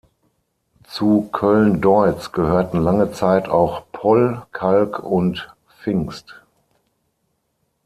Zu Köln-Deutz gehörten lange Zeit auch Poll, Kalk und Vingst.